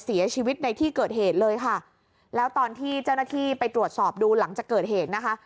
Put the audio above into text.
เสียชีวิตในที่เกิดเหตุเลยค่ะแล้วตอนที่เจ้าหน้าที่ไปตรวจสอบดูหลังจากเกิดเหตุนะคะ